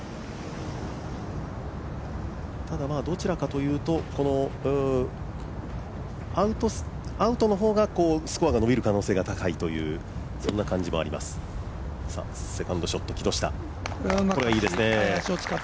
ただどちらかというとアウトの方がスコアが伸びる可能性が高いというそんな感じもあります、これはいいですね。